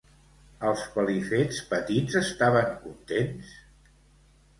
Els Pelifets petits estaven contents?